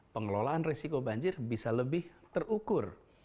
pengelolaan risiko banjir bisa lebih terukur